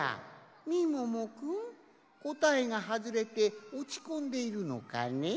みももくんこたえがはずれておちこんでいるのかね？